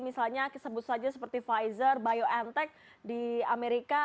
misalnya sebut saja seperti pfizer biontech di amerika